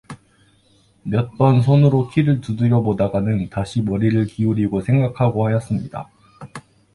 몇 번 손으로 키를 두드려 보다가는 다시 머리를 기울이고 생각하고 하였습니다.